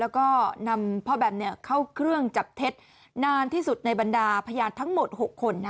แล้วก็นำพ่อแบมเข้าเครื่องจับเท็จนานที่สุดในบรรดาพยานทั้งหมด๖คน